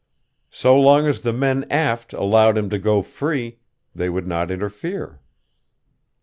So long as the men aft allowed him to go free, they would not interfere.